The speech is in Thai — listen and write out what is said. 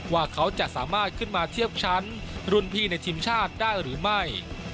ว่าเขาจะสามารถขึ้นมาเทียบชั้นรุ่นพี่ในทีมชาติได้หรือไม่